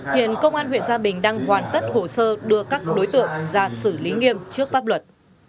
hiện công an huyện gia bình đang hoàn tất hồ sơ đưa các đối tượng ra xử lý nghiêm trước pháp luật